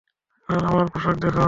আর আমার পোশাক দেখো।